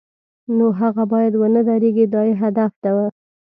نو هغه باید و نه دردېږي دا یې هدف و.